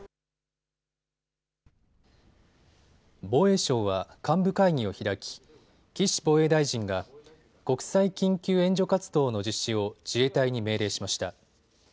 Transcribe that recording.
防衛省は幹部会議を開き岸防衛大臣が国際緊急援助活動の実施を自衛隊に命令しました。